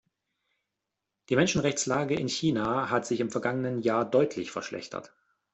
Die Menschenrechtslage in China hat sich im vergangenen Jahr deutlich verschlechtert.